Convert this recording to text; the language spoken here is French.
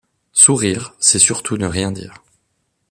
Sourire, c’est surtout ne rien dire.